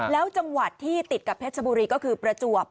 แล้วจังหวัดที่ติดกับเพชรบุรีก็คือประจวบ